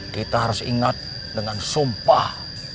kita harus ingat dengan sumpah